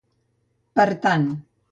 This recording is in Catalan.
Per tant.